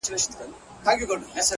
سل زنځیره مي شلولي دي ازاد یم،